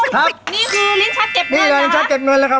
ว้าวคุณลุงนี่คือลิ้นชาติเก็บเงินแล้วฮะ